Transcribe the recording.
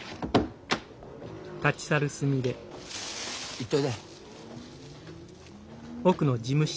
行っといで。